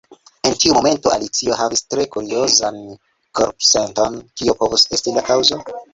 En tiu momento Alicio havis tre kuriozan korpsenton. Kio povus esti la kaŭzo?